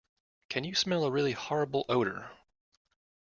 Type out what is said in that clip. Can you smell a really horrible odour?